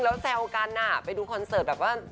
แล้วแซวกันอ่ะไปดูคอนเสิร์ตแบบว่า